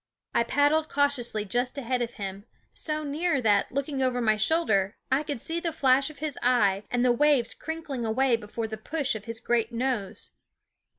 I paddled cautiously just ahead of him, so near that, looking over my shoulder, I could see the flash of his eye and the waves crink ling away before the push of his great nose.